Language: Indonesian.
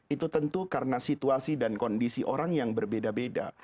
itu tentu karena situasi dan kondisi orang yang berbeda beda